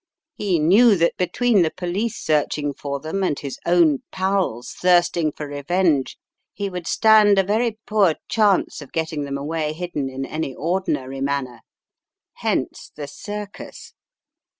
He knew that between the police searching for them, and his own pals thirsting for revenge, he would stand a very poor chance of getting them away hidden in any ordinary manner. Hence the circus.